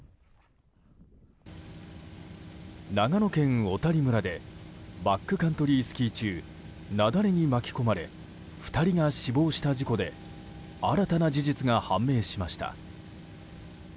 長野県小谷村でバックカントリースキー中雪崩に巻き込まれ２人が死亡した事故で新たな事実が判明しました。